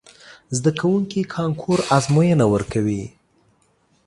زده کوونکي کانکور ازموینه ورکوي.